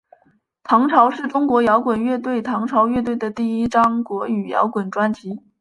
唐朝是中国摇滚乐队唐朝乐队的第一张国语摇滚专辑。